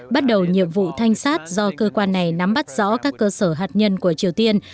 bắt đầu nhiệm vụ thanh sát do cơ quan này nắm bắt rõ các cơ sở hạt nhân của triều tiên